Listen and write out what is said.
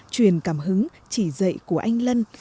truyền cảm hứng chỉ dậy của anh lân